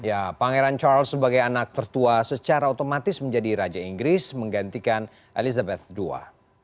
ya pangeran charles sebagai anak tertua secara otomatis menjadi raja inggris menggantikan elizabeth ii